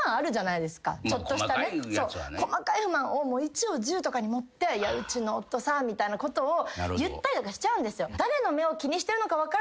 １を１０とかに盛って「うちの夫さ」みたいなことを言ったりとかしちゃうんですよ。